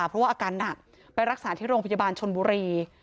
เพราะว่าอาการหนักไปรักษาที่โรงพยาบาลชนบุรี